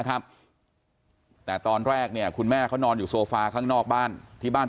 ครับแต่ตอนแรกเนี่ยคุณแม่เขานอนอยู่โซฟาข้างนอกบ้านที่บ้าน